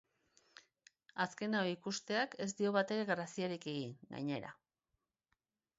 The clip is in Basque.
Azken hau ikusteak ez dio batere graziarik egin, gainera.